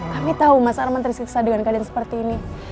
kami tahu mas arman tersiksa dengan keadaan seperti ini